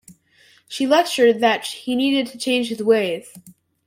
She lectured that he needed to change his ways.